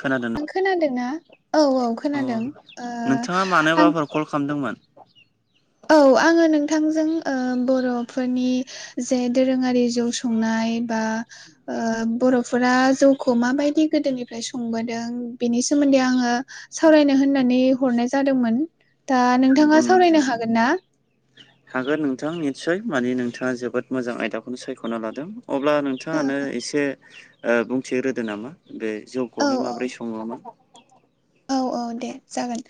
खोनादों नों खोनादोंना? औ औ अ खोनादों ओ नोंथाङा आं मानोबाफोर खल खालामदोंमोन औ आङो नोंथांजों ओ बर'फोरनि जे दोरोङारि जौ संनाय बा ओ बर'फोरा जौखौ माबायदि गोदोनिफ्राय संबोदों बेनि सोमोन्दै आङो सावरायनो होननानै हरनाय जादोंमोन दा नंगौ नोंथाङा सावरायनो नोंथां हागोन ना? हागोन नोंथां निसय माने नोंथाङा जोबोद मोजां आयदाखौनो सायख'ना लादों अब्ला ओ नोंथाङानो एसे बुंथिग्रोदो नामा दे औ जौखौहाय माबोरै सङोमोन औ औ दे जागोन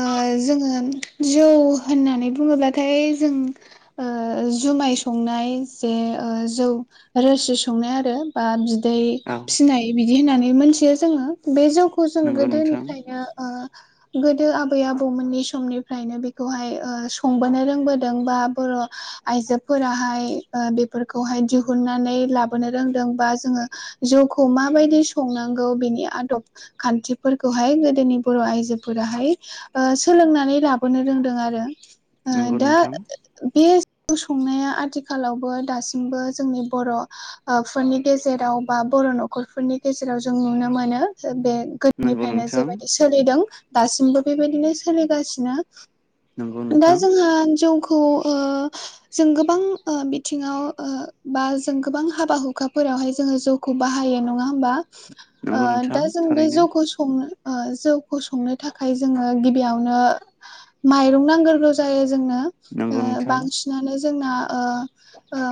ओ जोङो जौ होननानै बुङोब्लाथाय जों जुमाय संनाय जे जौ रोसि संनाय आरो बा बिदै औ फिनाय बिदि होननानै मोनथियो जोङो बे जौखौ जों नंगौ नोंथां गोदोनिफ्राय नो ओ गोदो आबै आबौमोननि समनिफ्रायनो बेखौहाय संबोनो रोंबोदों बा बर' आइजोफोराहाय बेफोरखौहाय दिहुननानै लाबोनो रोंदों बा जोङो जौखौ माबायदि संनांगौ बिनि आदब खान्थि फोरखौहाय गोदोनि बर' आइजोफोराहाय सोलोंनानै लाबोनो रोंदों आरो ओ नंगौ दा नोंथां बे जौ संनाया आथिखालावबो दासिमबो जोंनि बर' फोरनि गेजेराव बा बर' न'खरफोरनि गेजेराव जों नुनो मोनो बे नंगौ निफ्रायनो नोंथां जेबायदि सोलिदों दासिमबो बेबायदिनो सोलिगासिनो नंगौ दा नोंथां जोंहा जौखौ ओ [inaudible] जों गोबां बिथिङाव बा जों गोबां हाबा हुखाफोरावहाय जोङो जौ खौ बाहायो नङा होमबा नंगौ नोंथां दा जों बे थारैनो जौखौ सङो ओ जौखौ संनो थाखाय जोङो गिबियावनो माइरं नांग्रोगौ जायो जोंनो ओ नंगौ नोंथां बांसिनानो जोंना ओ ओ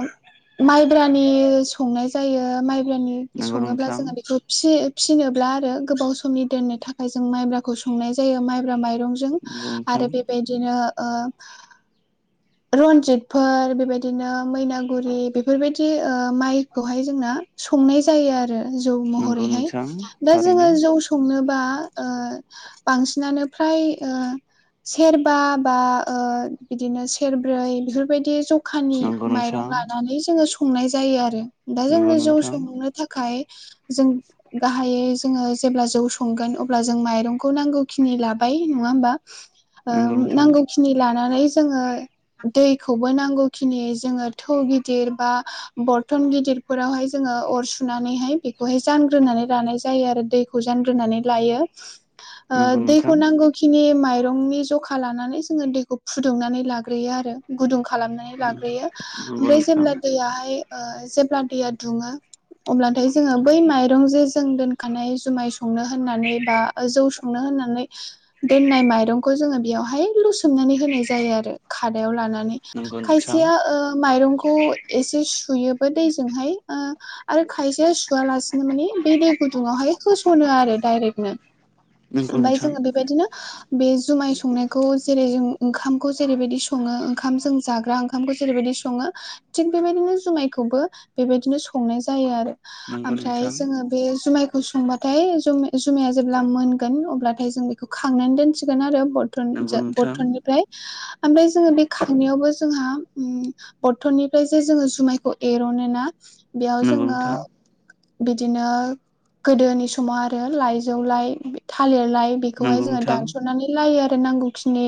माइब्रानि संनाय जायो माइब्रानि नंगौ सङोब्ला नोंथां जोङो बेखौ फिसि फिसिनोब्ला आरो गोबाव समनि दोननो थाखाय जों माइब्राखौ संनाय जायो माइब्रा माइरं जों नंगौ नोंथां आरो बेबायदिनो ओ रनजितफोर बेबायदिनो मैनागुरि बे फोरबायदि ओ माइखौहाय जोंना संनाय जायो आरो। जौ नंगौ महरैहाय। नोंथां दा जोङो थारैनो जौ संनोबा ओ बांसिनानो फ्राय ओ सेरबा बा ओ बिदिनो सेरब्रै बेफोरबायदि ज' जखानि नंगौ माइरं नोंथां लानानै जोङो संनाय जायो आरो। दा नंगौ जोंनो जौ नोंथां संनो थाखाय खाय जों गाहायै जोङो जेब्ला जौ संगोन अब्ला जों माइरंखौ नांगौखिनि लाबाय नङा होमबा ओ नंगौ नोंथां नांगौ खि खिनि लानानै जोङो दैखौबो नांगौ खिनि जोङो थौ गिदिर बा बरतन गिदिरफोरावहाय जोङो अर सुनानैहाय बे खौहाय जानग्रोनानै लानाय जायो आरो दैखौ जानग्रोनानै लायो ओ नंगौ नोंथां दैखौ नांगौ खिनि माइरंनि जखा लानानै जोङो दैखौ फुदुंनानै लाग्रोयो आरो गुदुं खालामनानै लाग्रोयो नंगौ ओमफ्राय नोंथां जेब्ला दैयाहाय जेब्ला दैया दुङो अब्लाथाय जोङो बै माइरं जे जों दोनखानाय जुमाय संनो होननानै बा जौ संनो होननानै दोननाय माइरंखौ जोङो बेयावहाय लुसोमनानै होनाय जायो आरो खादायाव लानानै। नंगौ नोंथां खायसेया माइरंखौ एसे सुयोबो दैजोंहाय। ओ आरो खायसेया सु सुआलासिनो माने बे दै गुदुंङावहाय होस'नो आरो डायरेकनो। नंगौ ओमफाय नोंथां जोङो बे बेबादिनो बे जुमाइ संनायखौ जेरै जों ओंखामखौ जेरैबायदि स ङो ओंखाम जाग्रा ओंख ओंखामखौ जेरैबायदि सङो थिग बेबायदिनो जुमायखौबो बेबायदिनो संनाय जायो आरो। नंगौ ओमफ्राय नोंथां जोङो बे जुमायखौ सं संबाथाय जुम-जुमाया जेब्ला मोनगोन अब्लाथाय जों बेखौ खांनानै दोनसिगोन आरो। बद थन नंगौ जो नोंथां बरथननिफ्राय। ओमफ्राय जोङो बे खांनायावबो जोंहा उम बरथननिफ्राय जे जोङो जुमायखौ एर'नो ना बेयाव नंगौ जोङो नोंथां बिदिनो गोदोनि समाव आरो लाइजौलाय थालिरलाय बेखौहाय जोङो दानस'नानै लायो आरो नांगौ खिनि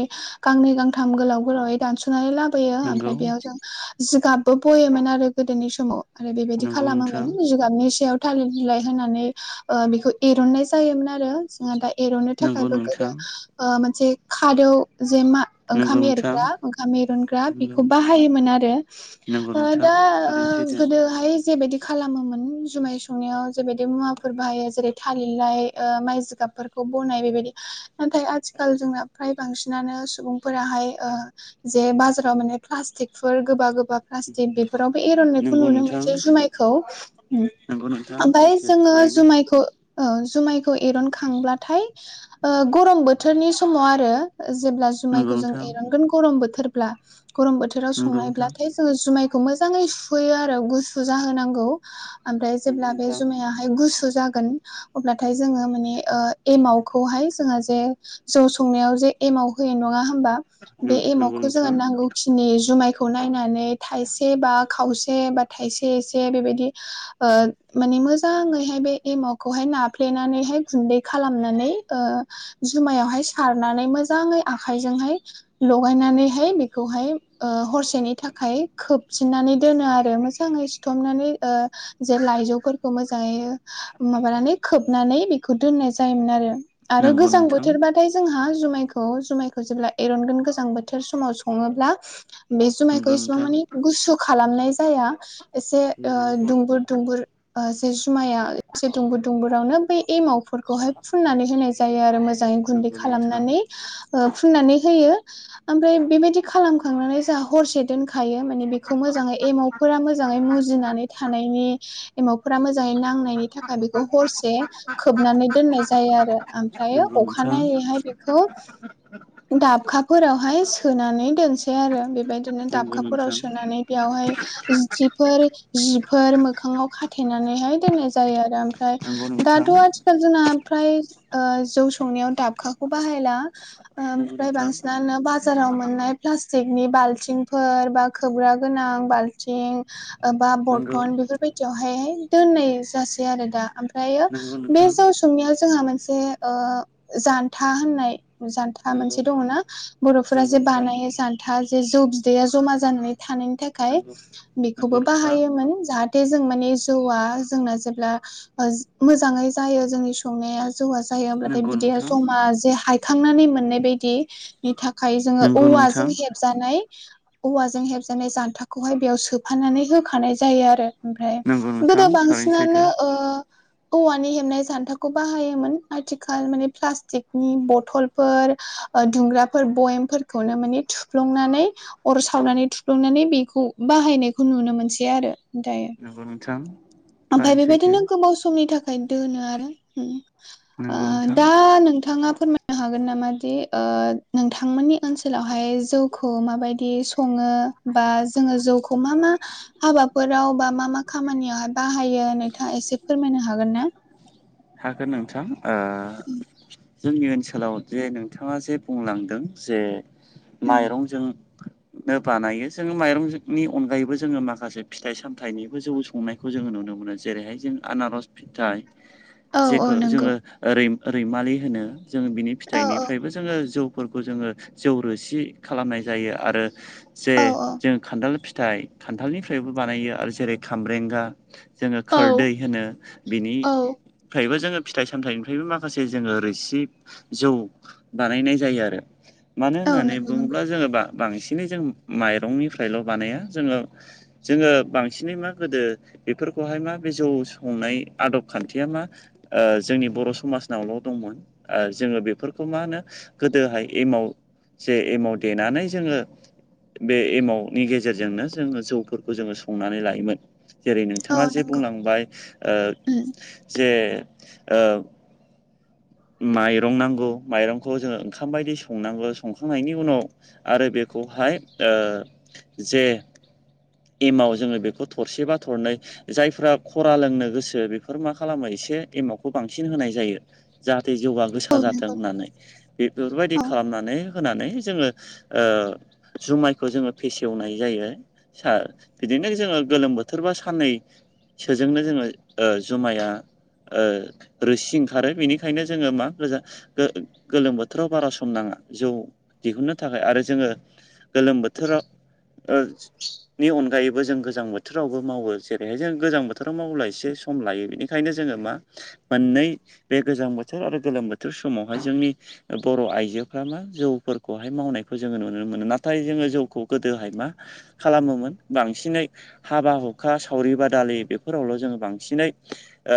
गांनै गांथाम गोलाव गोलावै दानस'नानै लाबोयो नंगौ ओमफ्राय बेयाव नोंथां जों जिगाबबो बयोमोन आरो गोदोनि समाव। आरो नंगौ बेबायदि नोंथां खालामोमोन। जिगाबनि सायाव थालिर बिलाय होनानै ओ बेखौ एर'ननाय जायोमोन आरो। जोंहा दा एर'ननो नंगौ थाखायबो गोदो नोंथां ओ मोनसे खादौ जे मा नंगौ ओंखाम नोंथां एरग्रा ओंखाम एरुनग्रा बेखौ बाहायोमोन आरो। नंगौ ओ नोंथां दा ओ थारैनो सैथो गोदो हाय जेबायदि खालामोमोन जुमाय संनायाव जेबायदि मुवा फोर बाहायो जेरै थालिरलाइ माइ जिगाबफोरखौ बनाय बेबायदि नाथाय आथिखाल जोंना फ्राय बांसिनानो सुबुंफोराहाय ओ जे बाजाराव माने प्लास्टिकफोर गोबा गोबा प्लास्टिक बेफोरावबो एर'ननायखौ नंगौ नुनो नोंथां मोनसै जुमायखौ। उम। नंगौ नोंथां सैथो थारै मायखौ ओ जुमायखौ एर'नखांब्लाथाय ओ गरम बोथोरनि समाव आरो जेब्ला नंगौ जुमायखौ जों नोंथां एर'नगोन गरम बोथोर ब्ला गरम बोथोराव नंगौ नोंथां संनायब्लाथाय जोङो जुमायखौ मोजाङै सुफैयो आरो गुसु जाहोनांगौ। ओमफ्राय नंगौ जेब्ला बे नोंथां जुमाया हाय गुसु जागोन अब्लाथाय जोङो माने ओ एमावखौहाय जोंहा जे जौ संनायाव जे एमाव होयो नङा होमबा? बे नंगौ एमावखौ जोङो नोंथां नांगौ खिनि जुमायखौ नायनानै थाइसे बा खावसे बा थाइसे एसे बेबायदि ओ माने मोजाङैहाय बे एमावखौहाय नाफ्लेनानैहाय गुन्दै खालामनानै ओ- जुमायावहाय सारनानै मोजाङै आखायजोंहाय लगायनानैहाय बेखौहाय ओ-हरसेनि थाखाय खोबफिननानै दोनो आरो मोजाङै सिथबनानै ओ-जे लाइजौफोरखौ मोजाङै माबानानै खोबनानै बेखौ दोननाय जायोमोन आरो आरो नंगौ गोजां नोंथां बोथोरबा नाथाय जोंहा जुमायखौ जुमायखौ जेब्ला एरनगोन गोजां बोथोर समाव सङोब्ला बे जुमायखौ नंगौ एसिबां नोंथां माने गुसु खालामनाय जाया एसे नंगौ ओ-दुंगुर दुंगुर ओ-जि जुमाया एसे दुंबुर दुंबुरावनो बै एमावफोर खौहाय फुननानै होनाय जायो आरो मोजाङै गुन्दै नोंथां खालामनानै। ओ फुननानै होयो। ओमफ्राय बेबायदि खालामखांनानै जाहा हरसे दोनखायो। माने बे खौ मोजाङै एमावफोरा मोजाङै मुजिनानै थानायनि एमावफोरा मोजाङै नांनायनि थाखा बेखौ हरसे खोबनानै दोननाय जायो आरो। आमफ्रायो नंगौ नोंथां नंगौ नोंथां अखानायैहाय बे खौ दाबखाफोरावहाय सोनानै दोनसै आरो बेबायदि बिदिनो नंगौ दाबखाफोराव नोंथां सोनानै बेयावहाय जि फोर जिफोर मोखाङाव खाथेनानैहाय दोननाय जायो आरो। ओमफ्राय नंगौ नोंथां दाथ' आथि खाल जोंना फ्राय ओ जौ संनायाव दाबखाखौ बाहायला। नंगौ ओमफ्राय नोंथां बांसिनानो बाजाराव मोननाय प्लास्टिकनि बाल्थिंफोर बा खोबग्रा गोनां बाल्थिं ओ-बा नंगौ बरथन बेफोर बायदियावहाय हाय दोननाय जासै आरो दा। ओम दायो नंगौ बे नोंथां जौ स संनिया जोंहा मोनसे ओ-जानथा होननाय जानथा नंगौ मोनसे दङना बर'फोरा नंगौ जे नोंथां बानायो जान्था जे जौ बिदैया जमा जानानै थानायनि थाखाय नंगौ नंगौ बेखौबो नोंथां बाहायोमोन जाहाथ जाथे जों माने जौआ जोंना जेब्ला मोजाङै जायो जोंनि संनाया जौआ जायो अब्लाथाय नंगौ बिदिआ नोंथां जमा जे हायखांनानै मोननाय बायदि। नि थाखाय जोङो नंगौ औवाजों नोंथां हेब जानाय औवाजों हेबजानाय जान्थाखौहाय बेयाव सोफानानै होखानाय जायो आरो। ओमफ्राय नंगौ गोदो नोंथां बांसिन थारैनो [inaudible] औवानि हेबनाय जान्थाखौ बाहायोमोन आथिखाल माने प्लास्टिकनि बथलफोर ओ-दुंग्राफोर बयेमफोरखौनो माने थुफ्लंनानै अर सावनानै थुफ्लुंनानै बेखौ बाहायनायखौ नुनो मोनसै आरो दायो। लोगो नोंथां। ओमफाय थारैनो सैथो बेबायदिनो गोबाव समनि थाखाय दोनो आरो नंगौ ओम। नोंथां दा नोंथाङा फोरमाय बुंनो हागोन नामा दि ओ-नोंथांमोननि ओनसोलावहाय जौखौ माबायदि सङो? बा जोङो जौखौ मा मा हाबाफोराव बा मा मा खामानियाव हा बाहायो नोंथाङा एसे फोरमायनो हागोन ना? हागोन नोंथां ओ- जोंनि ओनसोलाव जे नोंथाङा जे बुंलांदों जे माइरंजों नो बानायो जोङो माइरंनि अनगायैबो जोङो माखासे फिथाइ सामथाइनिबो जौ संनाय खौ जोङो नुनो मोनो जेरैहाय जों आनारस फिथाइ। औ औ जेखौ नंगौ जोङो ओ-रै- रैमालि होनो जों बिनि औ औ फिथाइनिफ्रायबो जो जोङो जौफोरखौ जोङो जौ रोसि खालामनाय जायो आरो जे औ जों खान्थाल फिथाइ खान्थालनिफ्रायबो बानायो आरो जेरै खामब्रेंगा जोङो औ खोरदै होनो बिनि औ फ्रायबो जोङो फिथाइ सामथाइनिफ्रायबो माखासे जोङो रोसि जौ बानायनाय जायो आरो मानो औ होननानै नंगौ नंगौ बुङोब्ला जोङो बा बांसिनै जों माइरंनिफ्रायल' बानाया जोङो। जोङो बांसिनै मा गोदो बेफोरखौहाय मा बे जौ संनाय आदब खान्थिया मा जोंनि बर' समाजनावल' दंमोन जोंङो बेफोरखौ मा होनो गोदोहाय एमाव जे एमाव देनानै जोंङो बे एमावटनि गेजेरजोंनो जोंङो जौफोरखौ जोंङो संनानै लायोमोन। जेरै औ नोंथाङा जे नंगौ बुंलांबाय ओ उम जे माइरं नांगौ माइरंखौ जोंङो ओंखाम बायदि संनांगौ संखांनायनि उनाव आरो बेखौहाय ओ जे एमाव जोंङो बेखौ थरसेबा थरनै जायफ्रा खरा लोंनो गोसो बेफोर मा खालामो एसे एमावखौ बांसिन होनाय जायो। जाहाथे जौआ गोसा औ जाथों नंगौ होननानै बेफोरबायदि औ खालामनानै होनानै जोङो ओ-जुमायखौ जोङो फेसेवनाय जायो। सा बिदिनो जोङो गोलोम बोथोर बा साननै। सोजोंनो जोङो ओ-जुमाया ओ-रोसि ओंखारो बेनिख बेंखायनो जोङो मा गोजा-गोलोम बोथोराव बारा सम नाङा जौ दिहुननो थाखाय आरो जोङो गोलोम बोथोराव ओ नि अनगायैबो जों गोजां बोथोरावबो मावो जेरैहाय जों गोजां बोथोराव मावला एसे सम लायो बेनिखायनो जोङो मा मोननै बे गोजां बोथोर आरो गोलोम बोथोर समावहाय जोंनि बर' आइजोफ मा जौफोरखौहाय मावनायखौ जोंङो नुनो मोनो नाथाय जोंङो जौखौ गोदोहाय मा? खालामोन बांसिनै हाबा हुखा सावरि बादालि बेफोरावल' जोंङो बांसिनै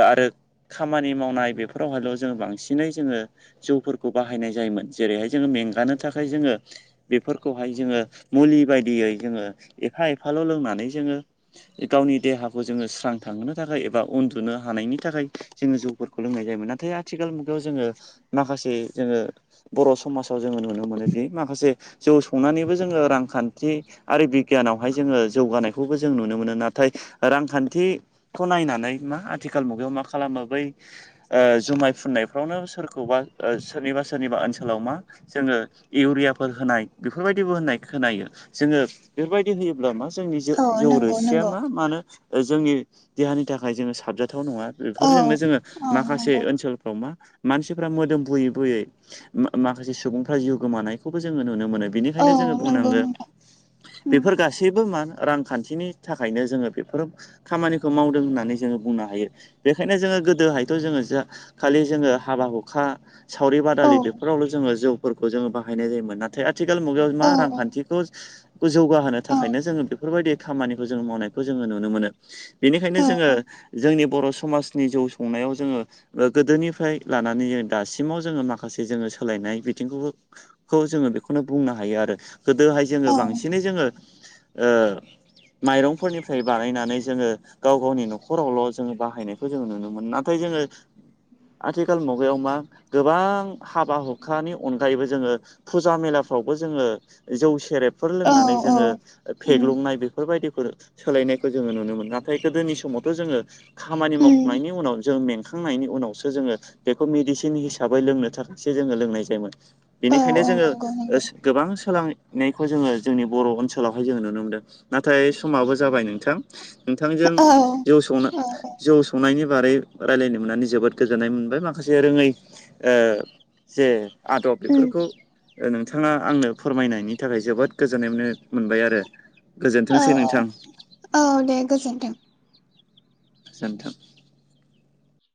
आरो खामानि मावनाय बेफोर फोरावहायल' जोंङो बांसिनै जोंङो जौफोरखौ बाहायनाय जायोमोन जेरैहाय जोंङो मेंगानो थाखाय जोंङो बेफोरखौहाय जोंङो मुलि बायदियै जोंङो एफा एफाल' लोंनानै जोंङो- गावनि देहाखौ जोंङो स्रां थांहोनो थाखाय एबा उन्दुनो हानायनि थाखाय जोंङो जौफोरखौ लोंनाय जायोमोन नाथाय आथिखाल मुगायाव जोंङो माखासे जोंङो बर' समाजाव जोंङो नुनो मोनोदि माखासे जौ संनानैबो जोंङो रांखान्थि आरो बिगियानावहाय जोंङो जौगानायखौबो जों नुनो मोनो नाथाय रांखान्थि खौ नायनानै मा आथिखाल मुगायाव मा खालामो बै जुमाय फुननायफ्रावनो सोरखौबा सोरनिबा सोरनिबा ओनसोलाव मा जोंङो इउरियाफोर होनाय बेफोरबायदिबो होननाय खोनायो जोंङो बेफोरबायदि होयोब्ला मा जोंनि औ जौ नंगौ रोसिया नंगौ मा मान जोंनि देहानि थाखाय जोंङो साबजाथाव नङा औ बेफोरजोंनो जोंङो औ माखासे नंगौ ओनसोलफ्राव मा मानसिफ्रा मोदोम बुयै बुयै माखासे सुबुंफ्रा जिउ गोमानायखौबो जोंङो नुनो मोनो। औ बेनिखायनो जोंङो नंगौ बुंनांगो नोंथां उम बेफोर गासैबो मा रांखान्थिनि थाखायनो जोंङो बेफोर खामानिखौ मावदों होननानै जोोङो बुंनो हायो बेखायनो जोंङो गोदोहाय थ जोंङो जा खालि जोंङो हाबा हुखा सावरि औ बादालि बेफोरावल' जोंङो जौ फोरखौ जोंङो बाहायनाय जायोमोन नाथाय आथिखाल मुगायाव मा औ औ रांखान्थिखौ जौगाहोनो थाखायनो औ जोंङो बेफोरबायदि खामानिखौ जों मावनायखौ जोंङो नुनो मोनो। बेनिखायनो जोङो जोंनि बर' समाजनि जौ संनायाव जोंङो गोदोनिफ्राय लानानै जो दासिमाव जोंङो माखासे जोंङो सोलायनाय बिथिंखौबो खौ जोंङो बेखौनो बुंनो हायो आरो गोदोहाय जोंङो औ औ बांसिनै जोंङो ओ माइरंफोरनिफ्राय बानायनानै जोंङो गाव गावनि न'खरावल' जोंङो बाहायनायखौ जोंङो नुनो मोन न नाथाय जोंङो आथिखाल मुगायाव मा गोबां हाबा हुखानि अनगाय थाखायैबो जोंङो फुजा मेलाफ्रावबो जोंङो जौ सेरेबफोर औ लोंनानै औ जोंङो उम फेग्लुंनाय बेफोरबायदिफोर सोलायनायखौ जोंङो नुनो मोनो। नाथाय गोदोनि समावथ' जोंङो खामानि मावखांनायनि उनाव जों मेंखांनायनि उनावसो जोंङो बेखौ मिदिसिन हिसाबै लोंनो थाखायसो जोंङो लोंनाय जायोमोन। औ बेनिखायनो औ जोंङो नंगौ नंगौ गोबां सोलोंनायखौ जोंङो जोंनि बर' ओनसोलावहाय जोंङो नुनो मोनदों। नाथाय समाबो जाबाय नोंथां नोंथांजों औ जौ सौना औ जौ सौनायनि बारै रायज्लायनो मोननानै जोबोद गोजोननाय मोनबाय माखासे रोङै जे आदब बेफोरखौ नोंथाङा आंनो फोरमायनायनि थाखाय जोबोद गोजोननाय मानो- मोनबाय आरो औ गोजोनथोंसै औ नोंथां औ दे गोजोनथों। गोजोनथो।